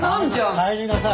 帰りなさい。